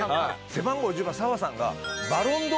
背番号１０番澤さんが。